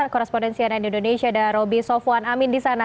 korespondensi ann indonesia ada roby sofwan amin di sana